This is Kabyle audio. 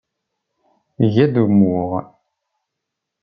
Tga-d umuɣ.